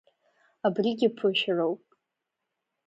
Абригьы ԥышәароуп.